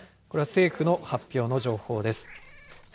これは政府の発表の情報です。